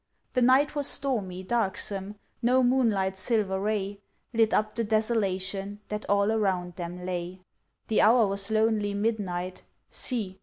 The night was stormy, darksome, No moonlight's silver ray Lit up the desolation That all around them lay. The hour was lonely midnight, See!